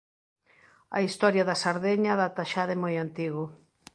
A historia da Sardeña data xa de moi antigo.